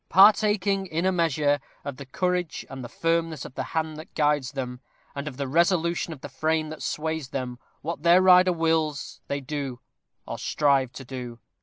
Partaking, in a measure, of the courage and the firmness of the hand that guides them, and of the resolution of the frame that sways them what their rider wills, they do, or strive to do.